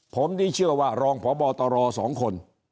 ผมนี่เชื่อว่ารองพบตร๒คน